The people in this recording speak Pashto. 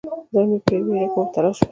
زړه مې په ویره کې مبتلا شو.